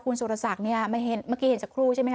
คุณสุรศักดิ์เนี่ยเมื่อกี้เห็นสักครู่ใช่ไหมค